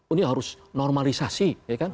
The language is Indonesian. ini harus normalisasi